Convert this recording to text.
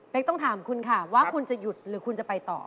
เป็นต้องถามคุณค่ะว่าคุณจะหยุดหรือคุณจะไปต่อ